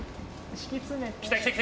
敷き詰めて。